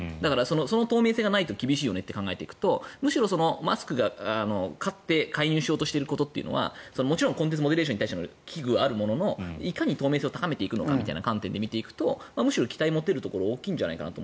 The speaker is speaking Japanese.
その透明性がないと厳しいよねって考えていくとむしろマスクが買って介入しようとしていることはもちろんコンテンツモデレーションの危惧はあるもののいかに透明性を高めていくのかという観点で見ていくと期待が持てるところが大きいんじゃないかなと。